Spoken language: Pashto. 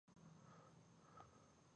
په افغانستان کې بزګان شتون لري.